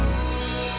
ada air baju kan